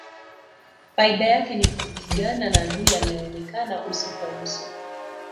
Faida yake ni kupigana na adui anayeonekana uso kwa uso